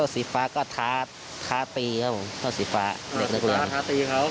อ่าโซ่สีฟ้าก็ท้าท้าตีครับผมโซ่สีฟ้าเด็กนักเรียนครับ